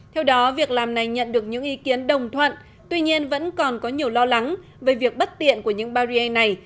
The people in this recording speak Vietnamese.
theo đó việc làm này nhận được những ý kiến đồng thuận tuy nhiên vẫn còn có nhiều lo lắng về việc bất tiện của những bàry này